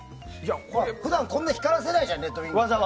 普段、こんな光らせないじゃん。レッドウィング。